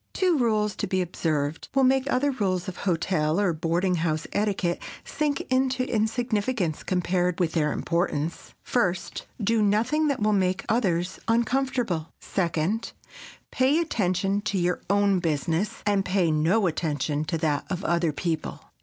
Two rules to be observed will make other rules of hotel or boarding house etiquette sink into insignificance compared with their importance. First: Do nothing that will make others uncomfortable. Second: Pay attention to your own business, and pay no attention to that of other people.